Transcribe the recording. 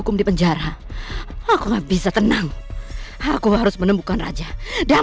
putri patin nunggu aku sekarang